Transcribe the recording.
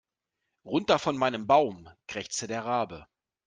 Runter von meinem Baum, krächzte der Rabe.